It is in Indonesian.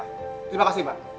terima kasih mbak